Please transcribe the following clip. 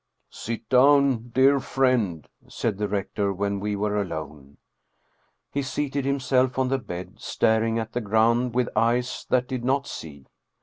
" Sit down, dear friend," said the rector, when we were alone. He seated himself on the bed, staring at the ground with eyes that did not see.